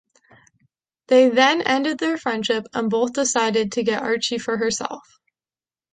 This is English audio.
They then end their friendship and both decide to get Archie for herself.